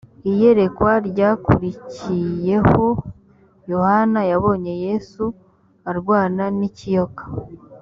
iyerekwa ryakurikiyeho yohana yabonye yesu arwana n ikiyoka